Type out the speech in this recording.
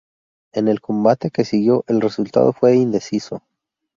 En el combate que siguió, el resultado fue indeciso.